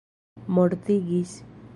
mortigis